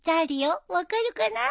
分かるかな？